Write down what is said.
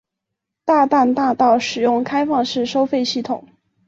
大淡大道使用开放式收费系统。